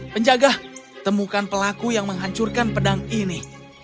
penjaga temukan pelaku yang menghancurkan pedang ini